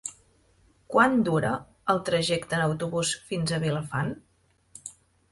Quant dura el trajecte en autobús fins a Vilafant?